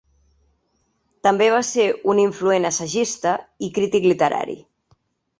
També va ser un influent assagista i crític literari.